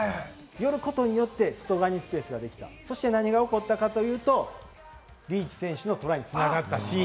寄ることによって外側にスペースができた、そして何が起こったかというと、リーチ選手のトライに繋がったシーン。